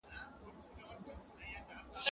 • ړنګه بنګه یې لړۍ سوه د خیالونو -